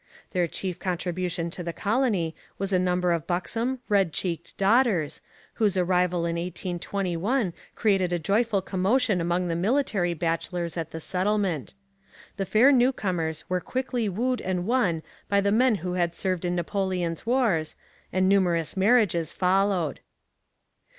Their chief contribution to the colony was a number of buxom, red cheeked daughters, whose arrival in 1821 created a joyful commotion among the military bachelors at the settlement. The fair newcomers were quickly wooed and won by the men who had served in Napoleon's wars, and numerous marriages followed.